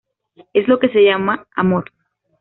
Es lo que se llama amor".